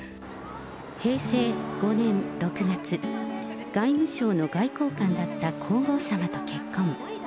平成５年６月、外務省の外交官だった皇后さまと結婚。